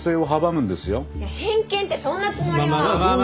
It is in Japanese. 偏見ってそんなつもりは。